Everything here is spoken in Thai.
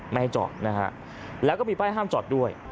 ไม่ให้จอดนะฮะแล้วก็มีป้ายห้ามจอดด้วย